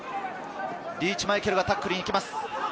リーチ・マイケルがタックルに行きます。